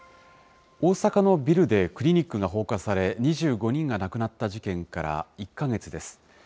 大阪のビルでクリニックが放火され、２５人が亡くなった事件から１か月です。